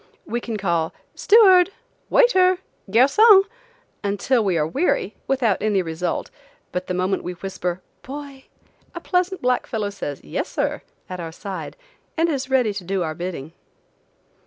We can call "steward! .... waiter! .... garcon!" until we are weary, without any result, but the moment we whisper "boy!" a pleasant black fellow says, "yes, sir," at our side, and is ready to do our bidding.